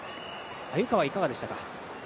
鮎川、いかがでしたか？